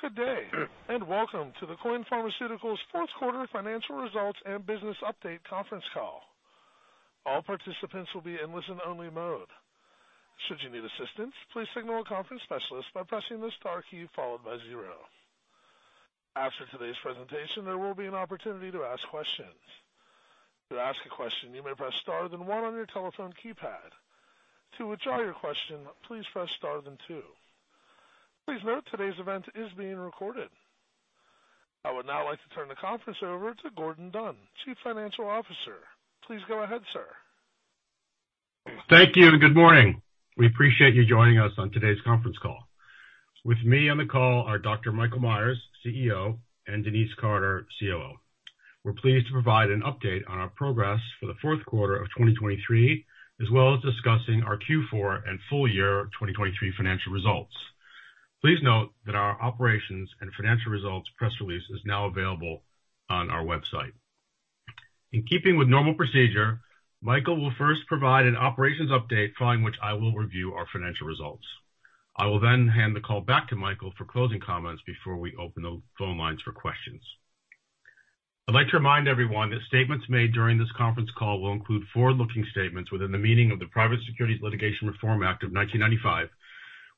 Good day, and welcome to the Quoin Pharmaceuticals fourth-quarter financial results and business update conference call. All participants will be in listen-only mode. Should you need assistance, please signal a conference specialist by pressing the star key followed by 0. After today's presentation, there will be an opportunity to ask questions. To ask a question, you may press star then 1 on your telephone keypad. To withdraw your question, please press star then 2. Please note today's event is being recorded. I would now like to turn the conference over to Gordon Dunn, Chief Financial Officer. Please go ahead, sir. Thank you and good morning. We appreciate you joining us on today's conference call. With me on the call are Dr. Michael Myers, CEO, and Denise Carter, COO. We're pleased to provide an update on our progress for the fourth quarter of 2023, as well as discussing our Q4 and full-year 2023 financial results. Please note that our operations and financial results press release is now available on our website. In keeping with normal procedure, Michael will first provide an operations update, following which I will review our financial results. I will then hand the call back to Michael for closing comments before we open the phone lines for questions. I'd like to remind everyone that statements made during this conference call will include forward-looking statements within the meaning of the Private Securities Litigation Reform Act of 1995,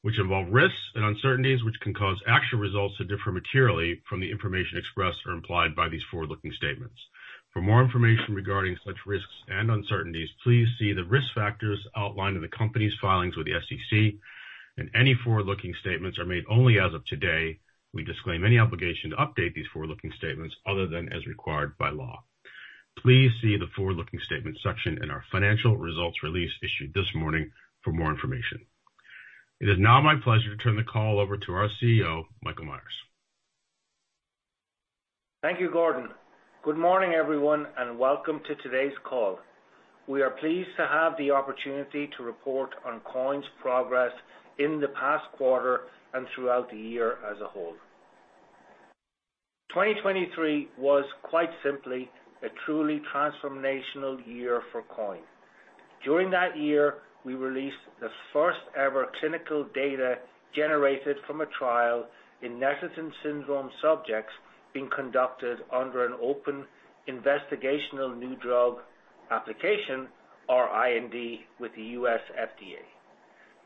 which involve risks and uncertainties which can cause actual results to differ materially from the information expressed or implied by these forward-looking statements. For more information regarding such risks and uncertainties, please see the risk factors outlined in the company's filings with the SEC. Any forward-looking statements are made only as of today. We disclaim any obligation to update these forward-looking statements other than as required by law. Please see the forward-looking statements section in our financial results release issued this morning for more information. It is now my pleasure to turn the call over to our CEO, Michael Myers. Thank you, Gordon. Good morning, everyone, and welcome to today's call. We are pleased to have the opportunity to report on Quoin's progress in the past quarter and throughout the year as a whole. 2023 was, quite simply, a truly transformational year for Quoin. During that year, we released the first-ever clinical data generated from a trial in Netherton syndrome subjects being conducted under an open IND with the U.S. FDA.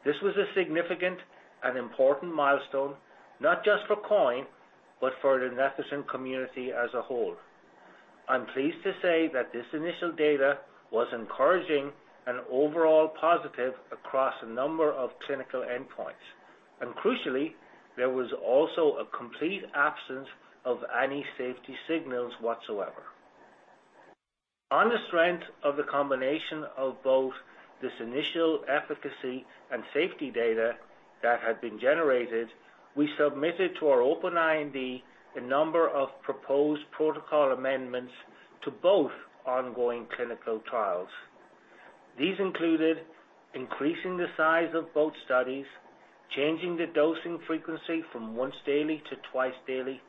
This was a significant and important milestone, not just for Quoin, but for the Netherton community as a whole. I'm pleased to say that this initial data was encouraging and overall positive across a number of clinical endpoints. And crucially, there was also a complete absence of any safety signals whatsoever. On the strength of the combination of both this initial efficacy and safety data that had been generated, we submitted to our Open IND a number of proposed protocol amendments to both ongoing clinical trials. These included increasing the size of both studies, changing the dosing frequency from once daily to twice daily,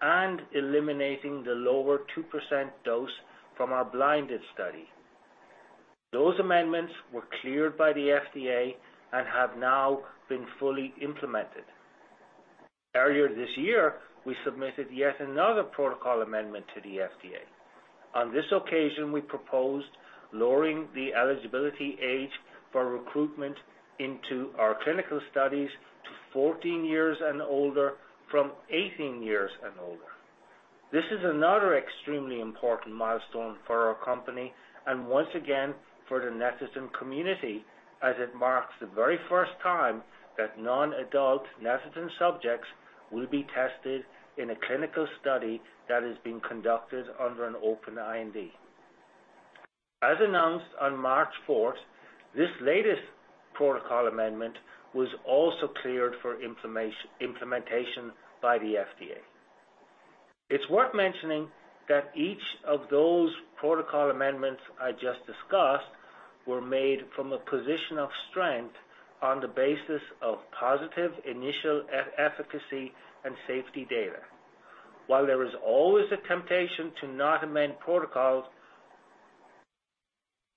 and eliminating the lower 2% dose from our blinded study. Those amendments were cleared by the FDA and have now been fully implemented. Earlier this year, we submitted yet another protocol amendment to the FDA. On this occasion, we proposed lowering the eligibility age for recruitment into our clinical studies to 14 years and older from 18 years and older. This is another extremely important milestone for our company and, once again, for the Netherton community, as it marks the very first time that non-adult Netherton subjects will be tested in a clinical study that is being conducted under an Open IND. As announced on March 4, this latest protocol amendment was also cleared for implementation by the FDA. It's worth mentioning that each of those protocol amendments I just discussed were made from a position of strength on the basis of positive initial efficacy and safety data. While there is always a temptation to not amend protocols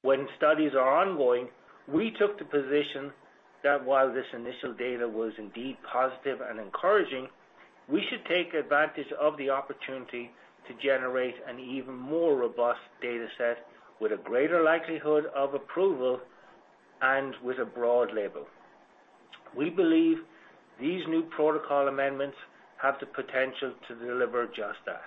when studies are ongoing, we took the position that while this initial data was indeed positive and encouraging, we should take advantage of the opportunity to generate an even more robust dataset with a greater likelihood of approval and with a broad label. We believe these new protocol amendments have the potential to deliver just that.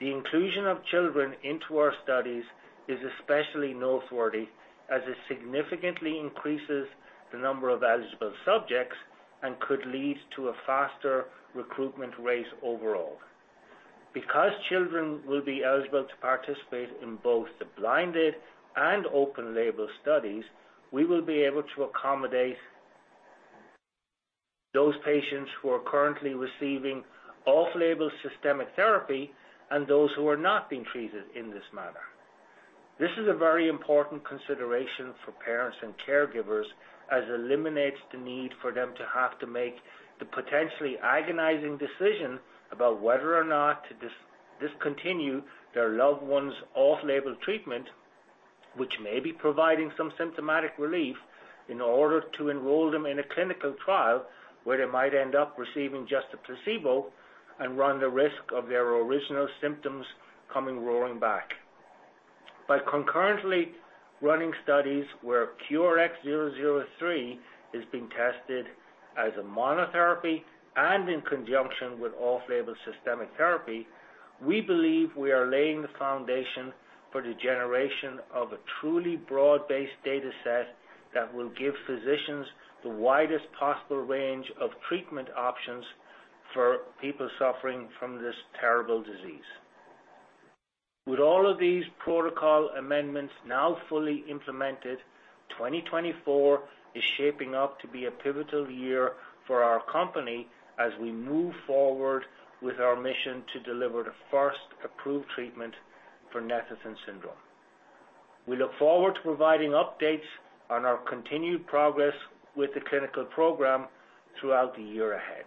The inclusion of children into our studies is especially noteworthy as it significantly increases the number of eligible subjects and could lead to a faster recruitment rate overall. Because children will be eligible to participate in both the blinded and open-label studies, we will be able to accommodate those patients who are currently receiving off-label systemic therapy and those who are not being treated in this manner. This is a very important consideration for parents and caregivers as it eliminates the need for them to have to make the potentially agonizing decision about whether or not to discontinue their loved one's off-label treatment, which may be providing some symptomatic relief, in order to enroll them in a clinical trial where they might end up receiving just a placebo and run the risk of their original symptoms coming roaring back. By concurrently running studies where QRX003 is being tested as a monotherapy and in conjunction with off-label systemic therapy, we believe we are laying the foundation for the generation of a truly broad-based dataset that will give physicians the widest possible range of treatment options for people suffering from this terrible disease. With all of these protocol amendments now fully implemented, 2024 is shaping up to be a pivotal year for our company as we move forward with our mission to deliver the first approved treatment for Netherton syndrome. We look forward to providing updates on our continued progress with the clinical program throughout the year ahead.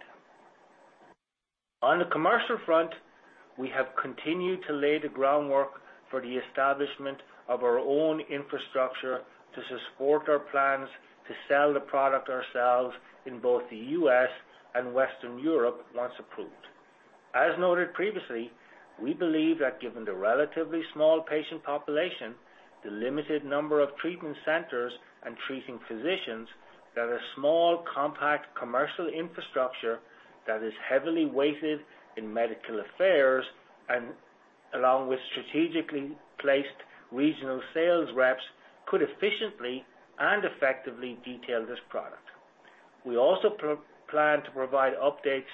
On the commercial front, we have continued to lay the groundwork for the establishment of our own infrastructure to support our plans to sell the product ourselves in both the U.S. and Western Europe once approved. As noted previously, we believe that given the relatively small patient population, the limited number of treatment centers and treating physicians, that a small, compact commercial infrastructure that is heavily weighted in medical affairs, along with strategically placed regional sales reps, could efficiently and effectively detail this product. We also plan to provide updates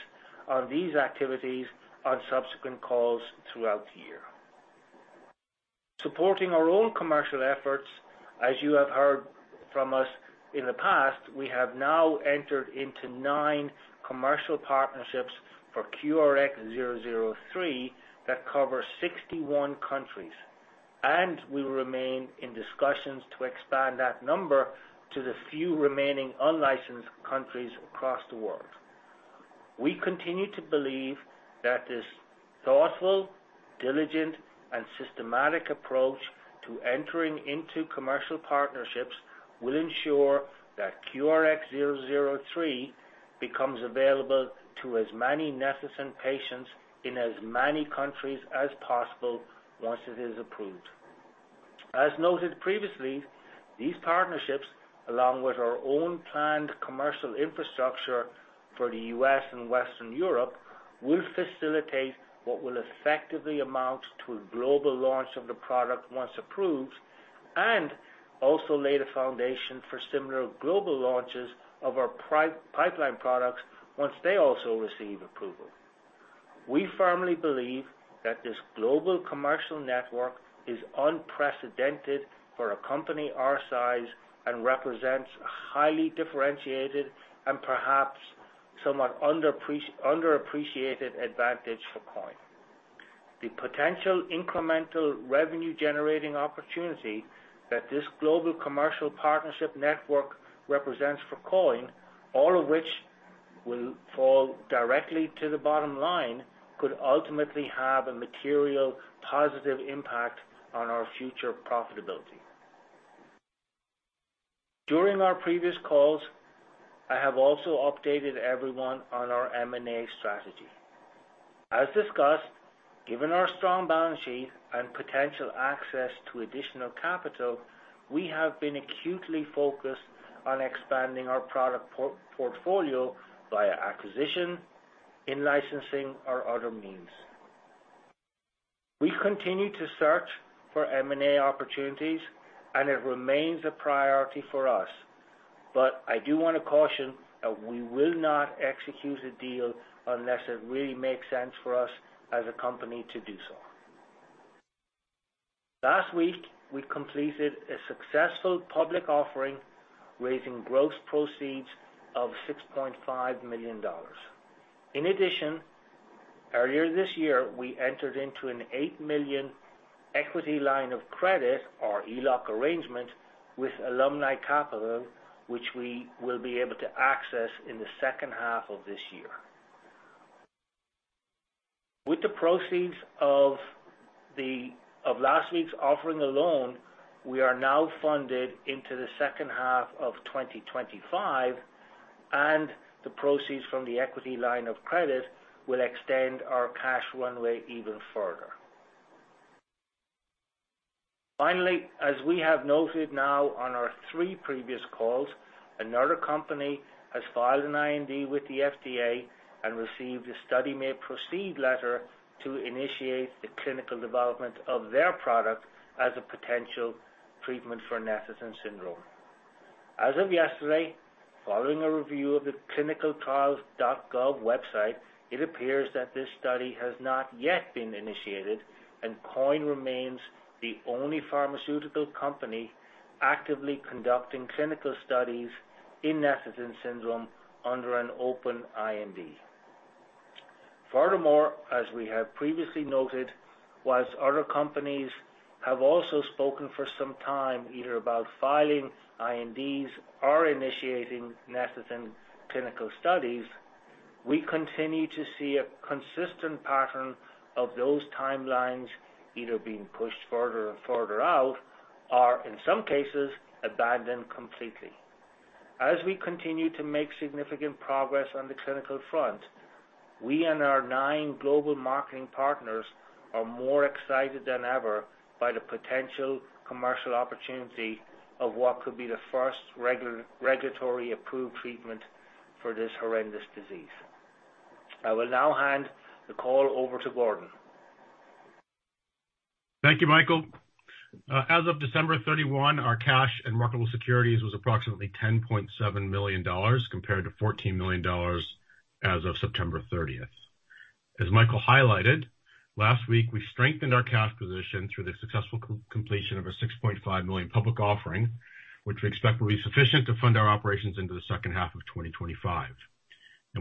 on these activities on subsequent calls throughout the year. Supporting our own commercial efforts, as you have heard from us in the past, we have now entered into nine commercial partnerships for QRX003 that cover 61 countries, and we remain in discussions to expand that number to the few remaining unlicensed countries across the world. We continue to believe that this thoughtful, diligent, and systematic approach to entering into commercial partnerships will ensure that QRX003 becomes available to as many Netherton patients in as many countries as possible once it is approved. As noted previously, these partnerships, along with our own planned commercial infrastructure for the U.S. and Western Europe, will facilitate what will effectively amount to a global launch of the product once approved and also lay the foundation for similar global launches of our pipeline products once they also receive approval. We firmly believe that this global commercial network is unprecedented for a company our size and represents a highly differentiated and perhaps somewhat underappreciated advantage for Quoin. The potential incremental revenue-generating opportunity that this global commercial partnership network represents for Quoin, all of which will fall directly to the bottom line, could ultimately have a material positive impact on our future profitability. During our previous calls, I have also updated everyone on our M&A strategy. As discussed, given our strong balance sheet and potential access to additional capital, we have been acutely focused on expanding our product portfolio via acquisition, in-licensing, or other means. We continue to search for M&A opportunities, and it remains a priority for us. But I do want to caution that we will not execute a deal unless it really makes sense for us as a company to do so. Last week, we completed a successful public offering raising gross proceeds of $6.5 million. In addition, earlier this year, we entered into an $8 million equity line of credit, our ELOC arrangement, with Alumni Capital, which we will be able to access in the second half of this year. With the proceeds of last week's offering alone, we are now funded into the second half of 2025, and the proceeds from the equity line of credit will extend our cash runway even further. Finally, as we have noted now on our three previous calls, another company has filed an IND with the FDA and received a Study May Proceed letter to initiate the clinical development of their product as a potential treatment for Netherton syndrome. As of yesterday, following a review of the ClinicalTrials.gov website, it appears that this study has not yet been initiated, and Quoin remains the only pharmaceutical company actively conducting clinical studies in Netherton syndrome under an open IND. Furthermore, as we have previously noted, while other companies have also spoken for some time either about filing INDs or initiating Netherton clinical studies, we continue to see a consistent pattern of those timelines either being pushed further and further out or, in some cases, abandoned completely. As we continue to make significant progress on the clinical front, we and our nine global marketing partners are more excited than ever by the potential commercial opportunity of what could be the first regulatory-approved treatment for this horrendous disease. I will now hand the call over to Gordon. Thank you, Michael. As of December 31, our cash and marketable securities was approximately $10.7 million compared to $14 million as of September 30. As Michael highlighted, last week, we strengthened our cash position through the successful completion of a $6.5 million public offering, which we expect will be sufficient to fund our operations into the second half of 2025.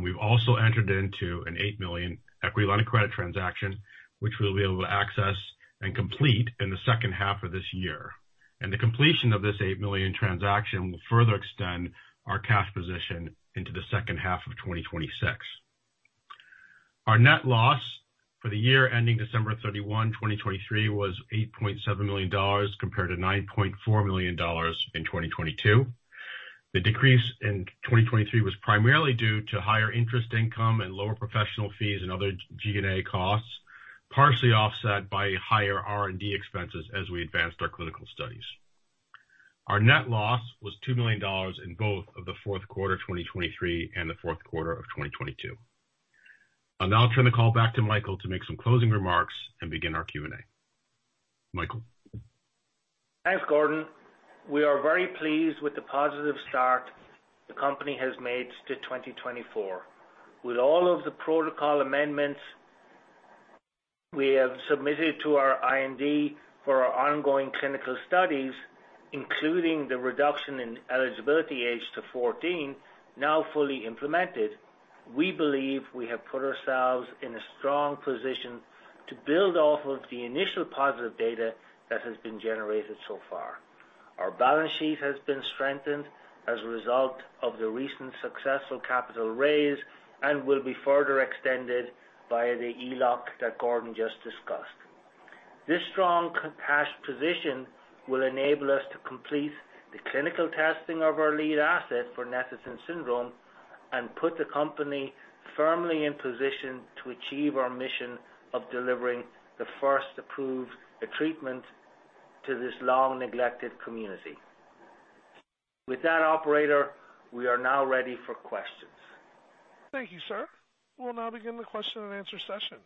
We've also entered into an $8 million equity line of credit transaction, which we'll be able to access and complete in the second half of this year. The completion of this $8 million transaction will further extend our cash position into the second half of 2026. Our net loss for the year ending December 31, 2023, was $8.7 million compared to $9.4 million in 2022. The decrease in 2023 was primarily due to higher interest income and lower professional fees and other G&A costs, partially offset by higher R&D expenses as we advanced our clinical studies. Our net loss was $2 million in both of the fourth quarter 2023 and the fourth quarter of 2022. Now I'll turn the call back to Michael to make some closing remarks and begin our Q&A. Michael. Thanks, Gordon. We are very pleased with the positive start the company has made to 2024. With all of the protocol amendments we have submitted to our IND for our ongoing clinical studies, including the reduction in eligibility age to 14, now fully implemented, we believe we have put ourselves in a strong position to build off of the initial positive data that has been generated so far. Our balance sheet has been strengthened as a result of the recent successful capital raise and will be further extended via the ELOC that Gordon just discussed. This strong cash position will enable us to complete the clinical testing of our lead asset for Netherton syndrome and put the company firmly in position to achieve our mission of delivering the first approved treatment to this long-neglected community. With that, operator, we are now ready for questions. Thank you, sir. We'll now begin the question-and-answer session.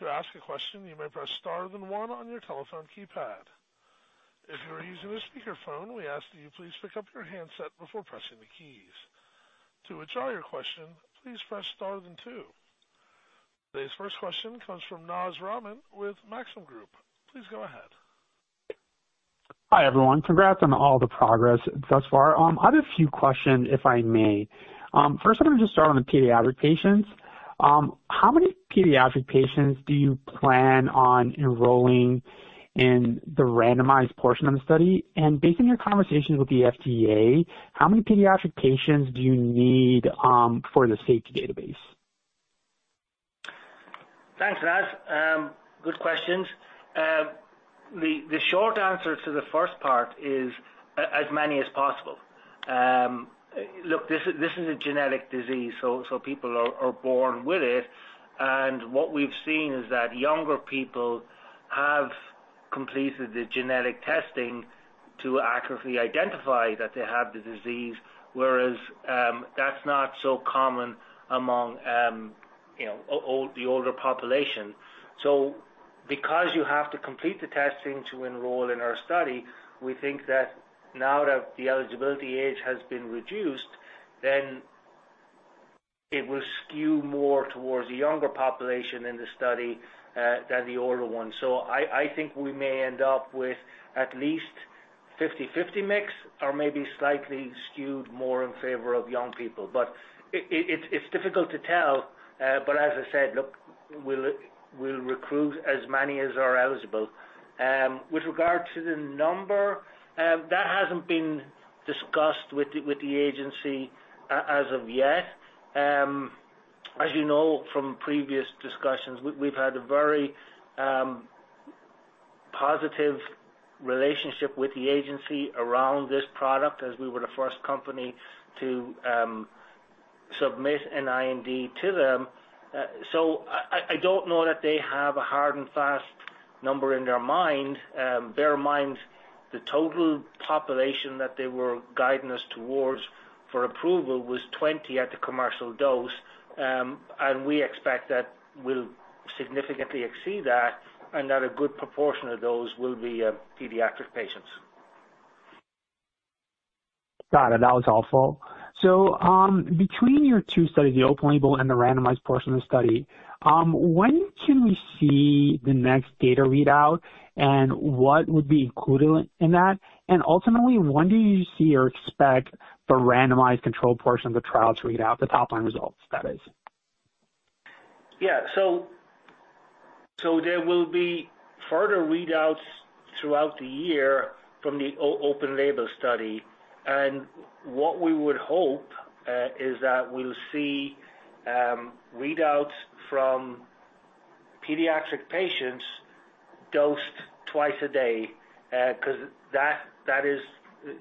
To ask a question, you may press star, then one on your telephone keypad. If you are using a speakerphone, we ask that you please pick up your handset before pressing the keys. To withdraw your question, please press star, then two. Today's first question comes from Naz Rahman with Maxim Group. Please go ahead. Hi, everyone. Congrats on all the progress thus far. I have a few questions, if I may. First, I'm going to just start on the pediatric patients. How many pediatric patients do you plan on enrolling in the randomized portion of the study? And based on your conversations with the FDA, how many pediatric patients do you need for the safety database? Thanks, Naz. Good questions. The short answer to the first part is as many as possible. Look, this is a genetic disease, so people are born with it. And what we've seen is that younger people have completed the genetic testing to accurately identify that they have the disease, whereas that's not so common among the older population. So because you have to complete the testing to enroll in our study, we think that now that the eligibility age has been reduced, then it will skew more towards the younger population in the study than the older one. So I think we may end up with at least 50/50 mix or maybe slightly skewed more in favor of young people. But it's difficult to tell. But as I said, look, we'll recruit as many as are eligible. With regard to the number, that hasn't been discussed with the agency as of yet. As you know from previous discussions, we've had a very positive relationship with the agency around this product as we were the first company to submit an IND to them. So I don't know that they have a hard-and-fast number in their mind. Bear in mind, the total population that they were guiding us towards for approval was 20 at the commercial dose, and we expect that we'll significantly exceed that and that a good proportion of those will be pediatric patients. Got it. That was helpful. So between your two studies, the open label and the randomized portion of the study, when can we see the next data readout and what would be included in that? And ultimately, when do you see or expect the randomized control portion of the trials to readout, the top-line results, that is? Yeah. So there will be further readouts throughout the year from the open label study. And what we would hope is that we'll see readouts from pediatric patients dosed twice a day because that is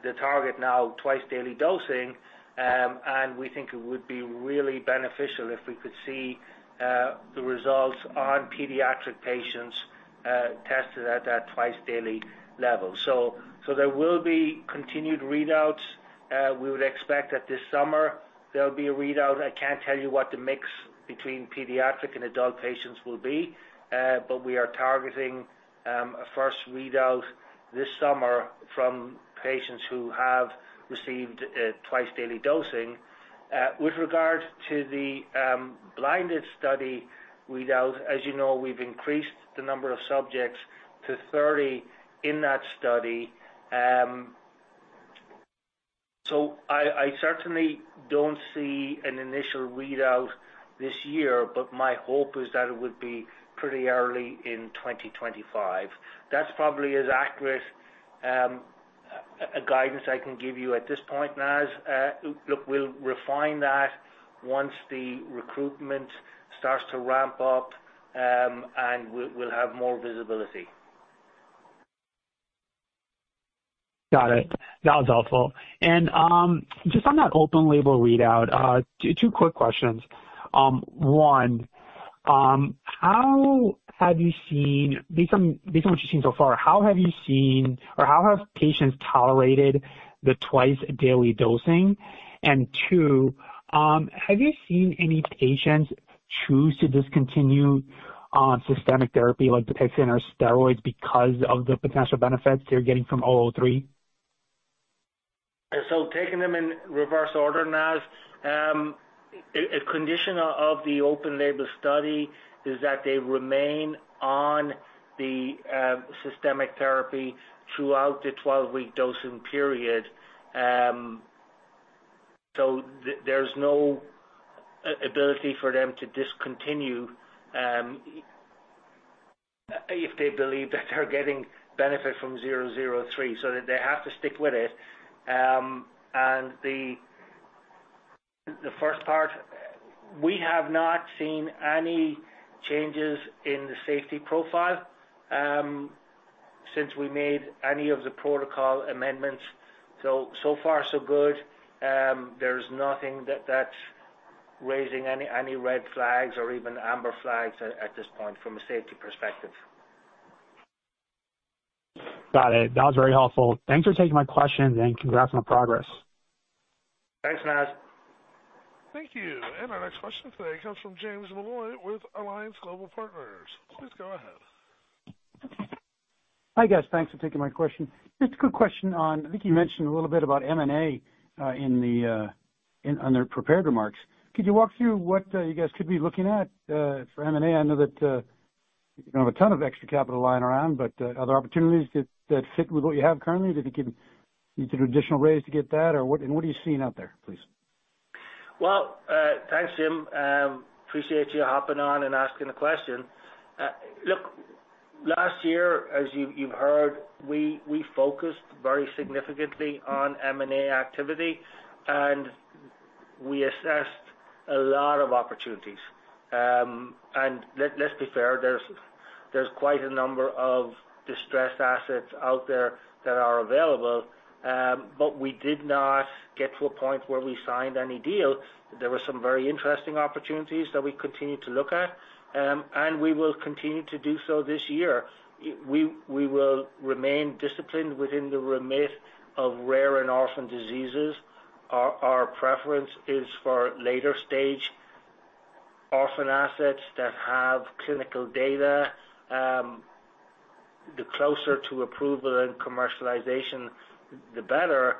the target now, twice-daily dosing. And we think it would be really beneficial if we could see the results on pediatric patients tested at that twice-daily level. So there will be continued readouts. We would expect that this summer, there'll be a readout. I can't tell you what the mix between pediatric and adult patients will be, but we are targeting a first readout this summer from patients who have received twice-daily dosing. With regard to the blinded study readout, as you know, we've increased the number of subjects to 30 in that study. So I certainly don't see an initial readout this year, but my hope is that it would be pretty early in 2025. That's probably as accurate guidance I can give you at this point, Naz. Look, we'll refine that once the recruitment starts to ramp up and we'll have more visibility. Got it. That was helpful. Just on that open label readout, two quick questions. One, based on what you've seen so far, how have you seen or how have patients tolerated the twice-daily dosing? And two, have you seen any patients choose to discontinue systemic therapy like the Pepcid or steroids because of the potential benefits they're getting from 003? Taking them in reverse order, Naz, a condition of the open label study is that they remain on the systemic therapy throughout the 12-week dosing period. So there's no ability for them to discontinue if they believe that they're getting benefit from 003, so that they have to stick with it. And the first part, we have not seen any changes in the safety profile since we made any of the protocol amendments. So far, so good. There's nothing that's raising any red flags or even amber flags at this point from a safety perspective. Got it. That was very helpful. Thanks for taking my questions, and congrats on the progress. Thanks, Naz. Thank you. Our next question today comes from James Molloy with Alliance Global Partners. Please go ahead. Hi, guys. Thanks for taking my question. It's a good question. On, I think you mentioned a little bit about M&A on their prepared remarks. Could you walk through what you guys could be looking at for M&A? I know that you don't have a ton of extra capital lying around, but other opportunities that fit with what you have currently? Do you think you need to do additional raise to get that, or what? And what are you seeing out there, please? Well, thanks, Jim. Appreciate you hopping on and asking the question. Look, last year, as you've heard, we focused very significantly on M&A activity, and we assessed a lot of opportunities. Let's be fair, there's quite a number of distressed assets out there that are available, but we did not get to a point where we signed any deal. There were some very interesting opportunities that we continued to look at, and we will continue to do so this year. We will remain disciplined within the remit of rare and orphaned diseases. Our preference is for later-stage orphaned assets that have clinical data. The closer to approval and commercialization, the better.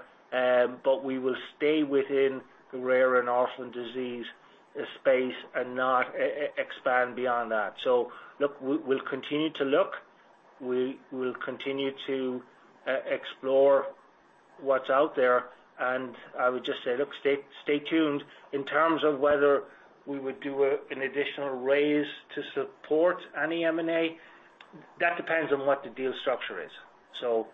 But we will stay within the rare and orphaned disease space and not expand beyond that. So look, we'll continue to look. We'll continue to explore what's out there. And I would just say, look, stay tuned. In terms of whether we would do an additional raise to support any M&A, that depends on what the deal structure is. So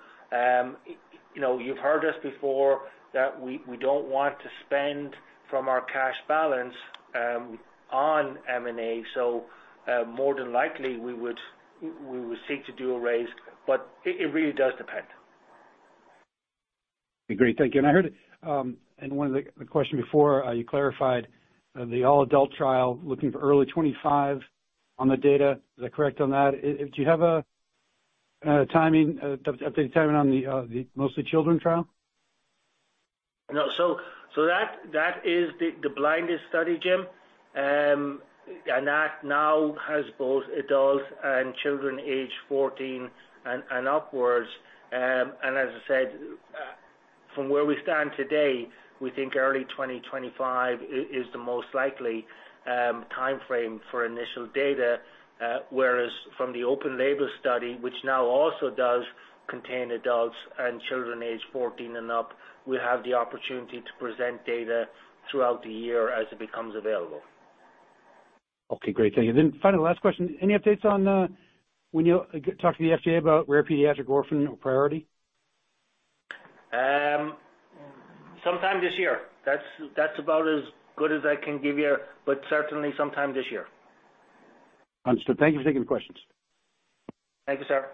you've heard us before that we don't want to spend from our cash balance on M&A. So more than likely, we would seek to do a raise, but it really does depend. Agreed. Thank you. And I heard in one of the questions before, you clarified the all-adult trial looking for early 2025 on the data. Is that correct on that? Do you have an updated timing on the mostly children trial? No. So that is the blinded study, Jim. That now has both adults and children age 14 and upwards. As I said, from where we stand today, we think early 2025 is the most likely timeframe for initial data. Whereas from the open label study, which now also does contain adults and children age 14 and up, we'll have the opportunity to present data throughout the year as it becomes available. Okay. Great. Thank you. Then finally, last question. Any updates on when you talk to the FDA about rare pediatric orphan priority? Sometime this year. That's about as good as I can give you, but certainly sometime this year. Understood. Thank you for taking the questions. Thank you, sir.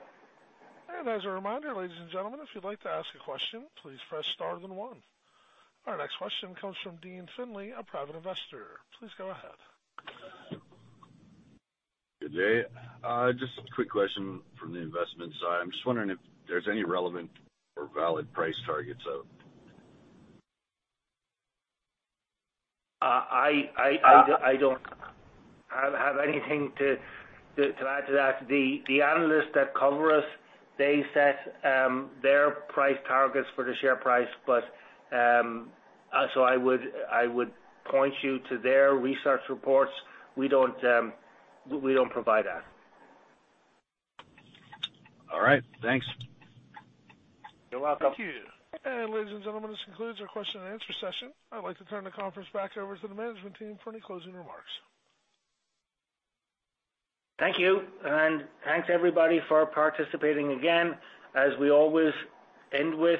As a reminder, ladies and gentlemen, if you'd like to ask a question, please press star then one. Our next question comes from Dean Finley, a private investor. Please go ahead. Good day. Just a quick question from the investment side. I'm just wondering if there's any relevant or valid price targets out. I don't have anything to add to that. The analysts that cover us, they set their price targets for the share price, so I would point you to their research reports. We don't provide that. All right. Thanks. You're welcome. Thank you. Ladies and gentlemen, this concludes our question-and-answer session. I'd like to turn the conference back over to the management team for any closing remarks. Thank you. Thanks, everybody, for participating again. As we always end with,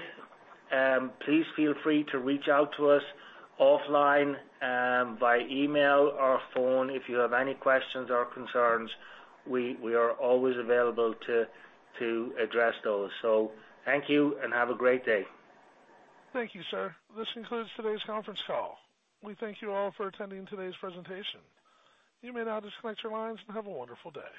please feel free to reach out to us offline by email or phone. If you have any questions or concerns, we are always available to address those. Thank you and have a great day. Thank you, sir. This concludes today's conference call. We thank you all for attending today's presentation. You may now disconnect your lines and have a wonderful day.